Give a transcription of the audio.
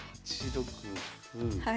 はい。